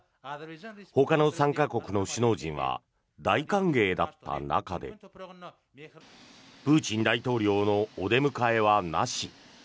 ほかの参加国の首脳陣は大歓迎だった中でプーチン大統領のお出迎えはなし。